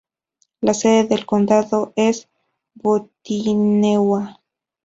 La sede del condado es Bottineau.